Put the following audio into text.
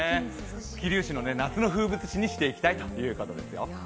桐生市の夏の風物詩にしていきたいということらしいですよ。